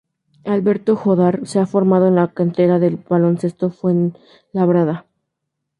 Alberto Jódar se ha formado en la cantera del Baloncesto Fuenlabrada.